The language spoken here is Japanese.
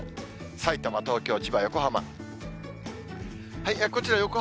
さいたま、東京、千葉、横浜。